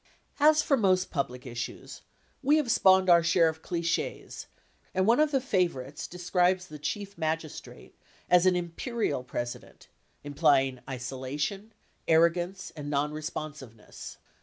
As for most public issues, we have spawned our share of cliches and one of the favorites describes the Chief Magistrate as an "Imperial President" — implying isolation, arrogance, and nonresponsiveness.